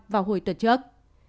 một mươi năm vào hồi tuần trước